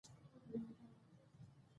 بیکاري د ټولو بدبختیو مور ده.